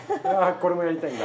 これもやりたいんだ。